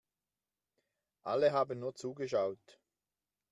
Alle haben nur zugeschaut.